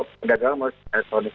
perdagangan melalui elektronik